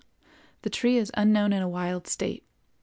The tree is unknown in a wild state.